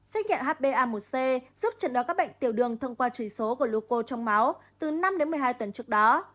xét nghiệm hba một c giúp chấn đoán các bệnh tiểu đường thông qua chỉ số của lũ cô trong máu từ năm một mươi hai tấn trước đó